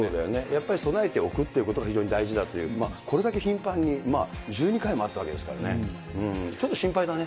やっぱり備えておくということが非常に大事だという、これだけ頻繁に１２回もあったわけですからね、ちょっと心配だね。